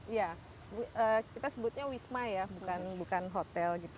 iya kita sebutnya wisma ya bukan hotel gitu